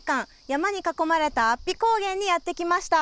山に囲まれた安比高原にやって来ました。